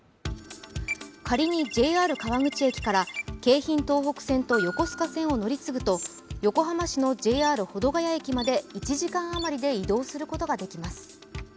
仮にＪＲ川口駅から京浜東北線と横須賀線を乗り継ぐと横浜市のＪＲ保土ケ谷駅まで１時間余りで移動することができます。